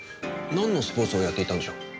なんのスポーツをやっていたんでしょう？